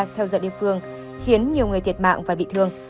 theo giờ địa phương khiến nhiều người thiệt mạng và bị thương